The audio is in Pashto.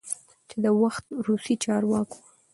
چې د وخت روسی چارواکو،